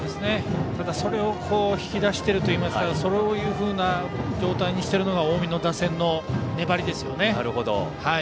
ただ、それを引き出しているといいますかそういうふうな状態にしてるのが近江打線の粘りですよね。